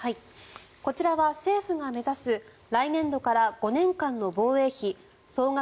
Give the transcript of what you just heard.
こちらは政府が目指す来年度から５年間の防衛費総額